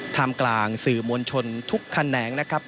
ทำกลางสื่อมวลชนทุกแขนงนะครับ